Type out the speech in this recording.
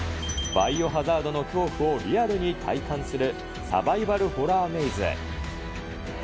バイオハザードの恐怖をリアルに体感するサバイバルホラーメイズ。